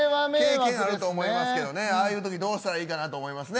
あると思いますけどああいうときどうしたらいいのかと思います。